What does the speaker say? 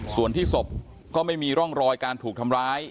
ส่วนที่ศพก็ไม่มีร่องรอยการถูกทำร้าย